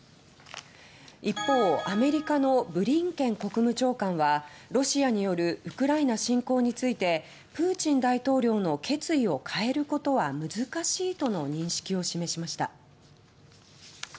一方、アメリカのブリンケン国務長官はロシアによるウクライナ侵攻について「プーチン大統領の決意を変えることは難しい」との認識を示しました。